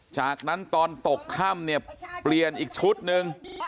จากนั้นตอนตกค่ำเนี่ยเปลี่ยนอีกชุดหนึ่ง